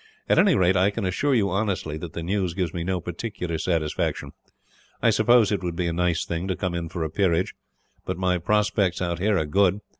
"At any rate, I can assure you honestly that the news gives me no particular satisfaction. I suppose it would be a nice thing, to come in for a peerage; but my prospects out here are good.